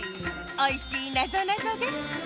おいしいなぞなぞでした。